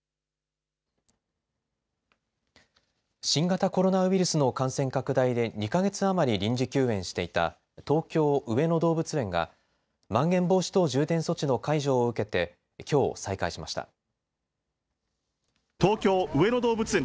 新型コロナウイルスの感染拡大で２か月余り臨時休園していた東京上野動物園がまん延防止等重点措置の解除を受けてきょう再開しました。